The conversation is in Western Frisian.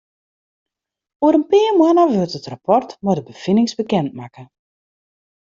Oer in pear moannen wurdt it rapport mei de befinings bekend makke.